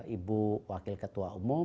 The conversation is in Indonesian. ibu wakil ketua umum